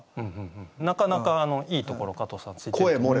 なかなかいいところ加藤さんついてきますね。